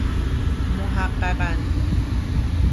محققا ً